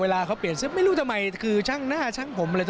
เวลาเขาเปลี่ยนชุดไม่รู้ทำไมคือช่างหน้าช่างผมอะไร